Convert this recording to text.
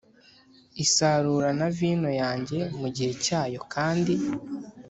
isarura na vino yanjye mu gihe cyayo kandi